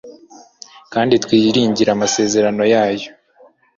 kandi twiringire amasezerano yayo.